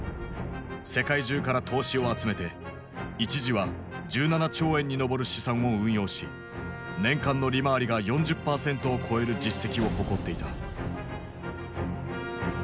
世界中から投資を集めて一時は１７兆円に上る資産を運用し年間の利回りが４０％を超える実績を誇っていた。